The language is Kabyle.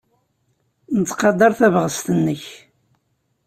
Nettqadar tabɣest-nnek.